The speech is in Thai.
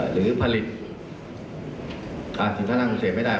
หรือผลิตสิทธิ์ท่านั่งเศรษฐ์ไม่ได้